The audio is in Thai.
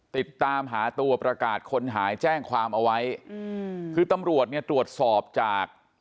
ติดตามหาตัวประกาศคนหายแจ้งความเอาไว้อืมคือตำรวจเนี่ยตรวจสอบจาก